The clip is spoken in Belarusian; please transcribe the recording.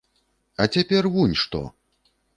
А цяпер вунь што!